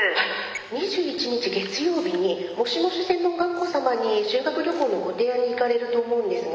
２１日月曜日にもしもし専門学校様に修学旅行のご提案に行かれると思うんですが。